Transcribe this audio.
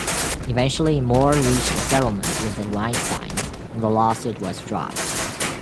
Eventually, Moore reached a settlement with the Weinsteins and the lawsuit was dropped.